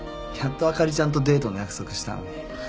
やっとあかりちゃんとデートの約束したのに。